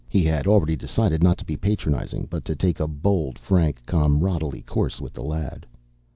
He had already decided not to be patronizing, but to take a bold, frank, comradely course with the lad.